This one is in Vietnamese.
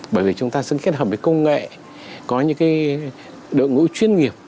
bởi vì chúng ta xứng kết hợp với công nghệ có những cái đội ngũ chuyên nghiệp